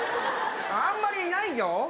あんまりいないよ。